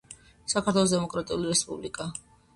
საქართველოს დამოკრატიული რესპუბლიკა